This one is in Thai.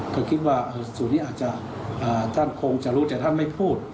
ก็คิดว่าส่วนนี้อาจจะท่านคงจะรู้แต่ท่านไม่พูด